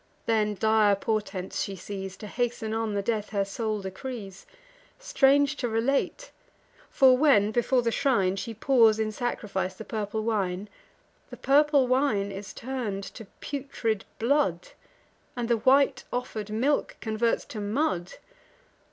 Then dire portents she sees, To hasten on the death her soul decrees: Strange to relate! for when, before the shrine, She pours in sacrifice the purple wine, The purple wine is turn'd to putrid blood, And the white offer'd milk converts to mud.